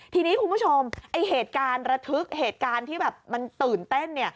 ทีนี้คุณผู้ชมไอ้เหตุการณ์ระทึกเหตุการณ์ที่แบบมันตื่นเต้น